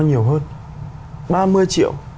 nhiều hơn ba mươi triệu